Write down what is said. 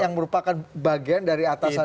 yang merupakan bagian dari atasannya pak jk